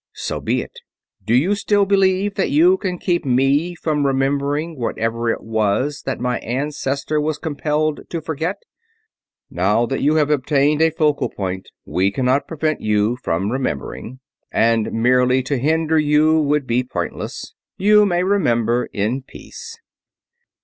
So be it. Do you still believe that you can keep me from remembering whatever it was that my ancestor was compelled to forget?" "Now that you have obtained a focal point we cannot prevent you from remembering; and merely to hinder you would be pointless. You may remember in peace."